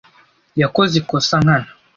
Yakoze ikosa nkana.